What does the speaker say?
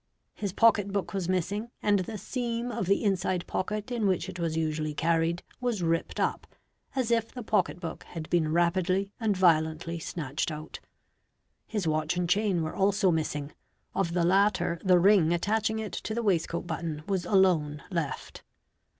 His pocket book was missing and the seam of the inside pocket in which it was usually carried was ripped up, as if the pocket book had been:rapidly and violently snatched out. His watch and chain were also missing, of the latter the ring attaching it to the waistcoat button was alone left.